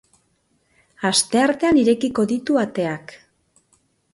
Asteartean irekiko ditu ateak.